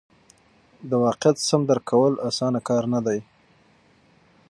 د واقعیت سم درک کول اسانه کار نه دی.